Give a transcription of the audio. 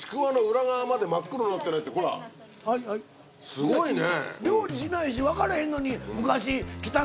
すごいね！